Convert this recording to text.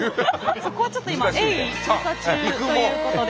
そこはちょっと今鋭意調査中ということで。